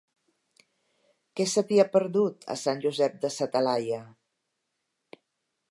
Què se t'hi ha perdut, a Sant Josep de sa Talaia?